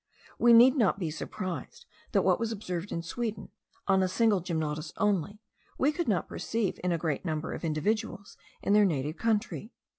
We need not be surprised that what was observed in Sweden, on a single gymnotus only, we could not perceive in a great number of individuals in their native country.